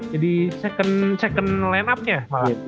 jadi second line up nya malah